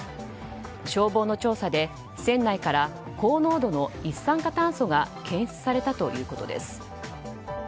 消防の調査で船内から高濃度の一酸化炭素が検出されたということです。